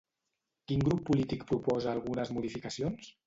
Quin grup polític proposa algunes modificacions?